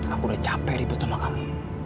aku udah capek ribut sama kamu